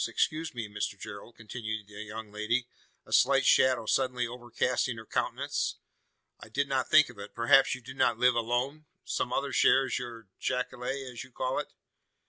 Excuse me, Mr Gerald!" continued the young lady, a slight shadow suddenly overcasting her countenance. "I did not think of it! Perhaps you do not live alone? Some other shares your jacale as you call it?"